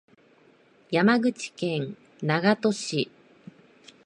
山口県長門市